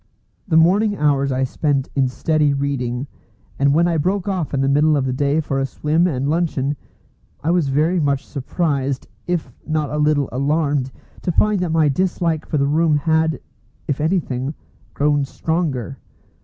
The morning hours I spent in steady reading; and when I broke off in the middle of the day for a swim and luncheon, I was very much surprised, if not a little alarmed, to find that my dislike for the room had, if anything, grown stronger.